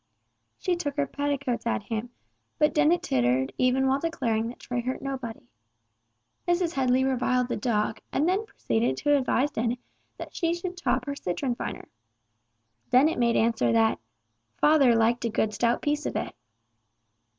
She shook her petticoats at him, but Dennet tittered even while declaring that Tray hurt nobody. Mrs. Headley reviled the dog, and then proceeded to advise Dennet that she should chop her citron finer. Dennet made answer "that father liked a good stout piece of it."